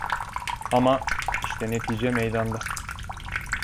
Ama, işte netice meydanda.